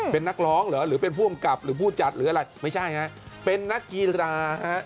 เป็นนักร้องเหรอหรือเป็นผู้กำกับหรือผู้จัดหรืออะไรไม่ใช่ฮะเป็นนักกีฬาฮะ